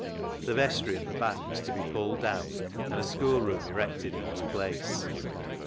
The vestry at the back was to be pulled down and a schoolroom erected in its place.